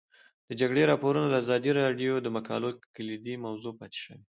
د جګړې راپورونه د ازادي راډیو د مقالو کلیدي موضوع پاتې شوی.